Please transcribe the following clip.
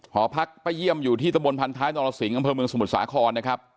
หอพักป้าเยี่ยมอยู่ที่ตะบนพันท้ายนรสิงห์อำเภอเมืองสมุทรสาครนะครับ